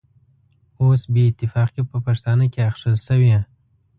اوس بې اتفاقي په پښتانه کې اخښل شوې.